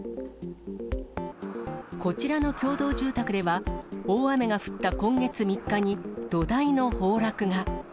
こちらの共同住宅では、大雨が降った今月３日に土台の崩落が。